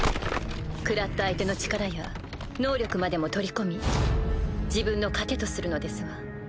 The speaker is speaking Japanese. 食らった相手の力や能力までも取り込み自分の糧とするのですわ。